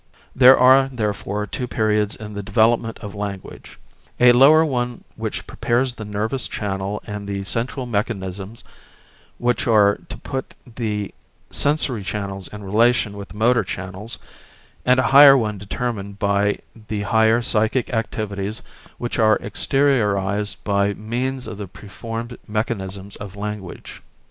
There are, therefore, two periods in the development of language: a lower one which prepares the nervous channel and the central mechanisms which are to put the sensory channels in relation with the motor channels; and a higher one determined by the higher psychic activities which are exteriorized by means of the preformed mechanisms of language.